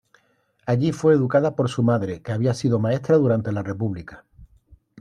Allí fue educada por su madre que había sido maestra durante la República.